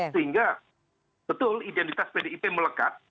sehingga betul identitas pdip melekat